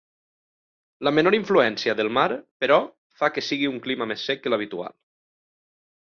La menor influència del mar, però, fa que sigui un clima més sec que l'habitual.